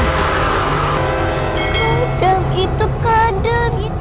kedem itu kedem itu